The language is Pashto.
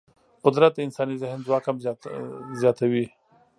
قدرت د انساني ذهن ځواک هم زیاتوي.